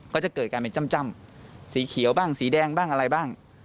ก็จะเกิดการเป็นจ้ำสีเขียวบ้างสีแดงบ้างอะไรบ้าง